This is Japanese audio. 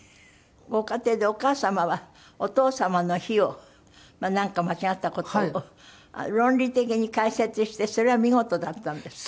ご家庭でお母様はお父様の非をなんか間違った事を論理的に解説してそれが見事だったんですって？